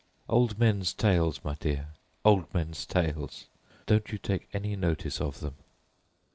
Old man's tales, my dear! Old man's tales! Don't you take any notice of them."